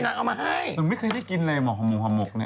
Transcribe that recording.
นุ่งไม่เคยได้กินเลยหอมก